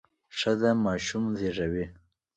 ښځه ماشوم زیږوي.